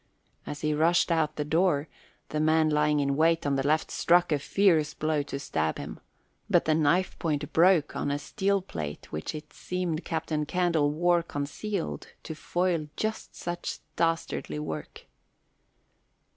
As he rushed out the door the man lying in wait on the left struck a fierce blow to stab him, but the knife point broke on a steel plate which it seemed Captain Candle wore concealed to foil just such dastardly work.